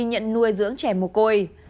nhận nuôi dưỡng trẻ mồ côi